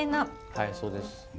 はいそうです。